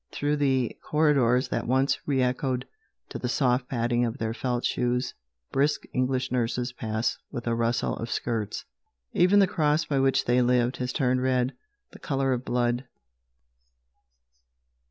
Through the corridors that once re echoed to the soft padding of their felt shoes brisk English nurses pass with a rustle of skirts. Even the cross by which they lived has turned red, the colour of blood.